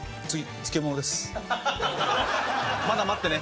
まだ待ってね。